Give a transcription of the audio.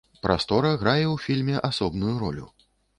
Прастора грае ў фільме асобную ролю.